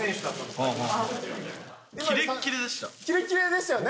キレッキレでしたよね？